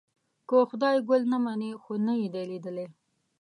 که خدای ګل نه مني خو نه یې دی لیدلی.